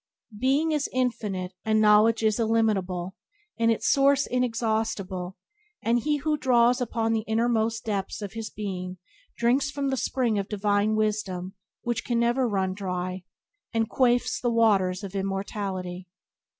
Being is infinite and knowledge is illimitable and its source inexhaustible, and he who draws upon the innermost depths of his being drinks from the spring of divine wisdom which can never run dry, and quaffs the waters of immortality.